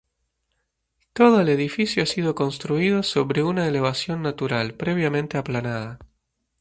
Todo el edificio ha sido construido sobre una elevación natural, previamente aplanada.